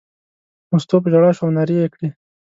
مستو په ژړا شوه او نارې یې کړې.